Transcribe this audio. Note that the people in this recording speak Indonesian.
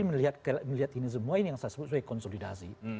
melihat ini semua ini yang saya sebut sebagai konsolidasi